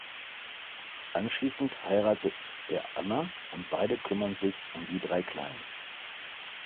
Anschließend heiratet er Anna und beide kümmern sich um die drei Kleinen.